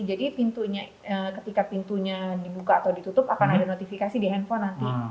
jadi pintunya ketika pintunya dibuka atau ditutup akan ada notifikasi di handphone nanti